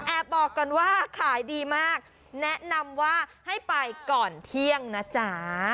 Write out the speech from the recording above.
บอกก่อนว่าขายดีมากแนะนำว่าให้ไปก่อนเที่ยงนะจ๊ะ